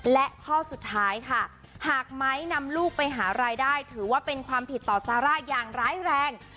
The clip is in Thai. และข้อสุดท้ายค่ะหากไม้นำลูกไปหารายได้ถือว่าเป็นความผิดต่อซาร่าอย่างร้ายแรง